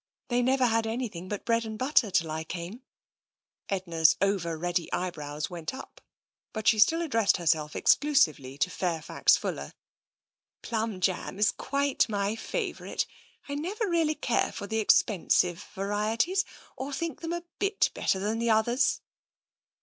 " They never had anything but bread and butter till I came." Edna's ever ready eyebrows went up, but she still addressed herself exclusively to Fairfax Fuller. " Plimi jam is quite my favourite. I never really care for the expensive varieties, or think them a bit better than the others."